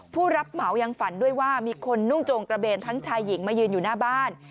ผู้รับเหมายังฝันด้วยว่ามีคนนุ่งโจงกระเบนทั้งชายหญิงมายืนอยู่หน้าบ้าน